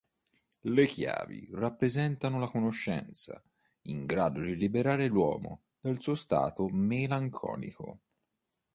Le chiavi rappresentano la conoscenza, in grado di liberare l'uomo dal suo stato melanconico.